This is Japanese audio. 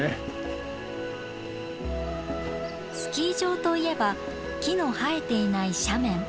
スキー場といえば木の生えていない斜面。